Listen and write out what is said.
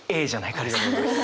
ありがとうございます。